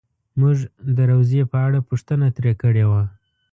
مونږ د روضې په اړه پوښتنه ترې کړې وه.